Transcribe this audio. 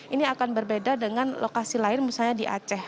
ini akan berbeda dengan lokasi lain misalnya di aceh